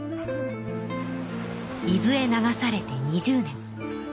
伊豆へ流されて２０年。